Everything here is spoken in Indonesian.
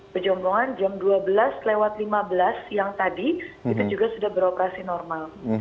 pejompongan jam dua belas lewat lima belas siang tadi itu juga sudah beroperasi normal